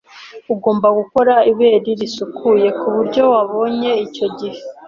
Ugomba gukora ibere risukuye kubyo wabonye icyo gihe.